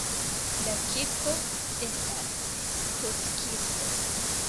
La kirko estas kruckirko.